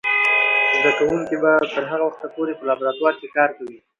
زده کوونکې به تر هغه وخته پورې په لابراتوار کې کار کوي.